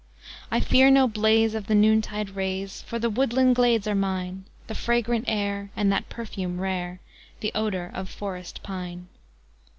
I fear no blaze of the noontide rays, For the woodland glades are mine, The fragrant air, and that perfume rare, The odour of forest pine.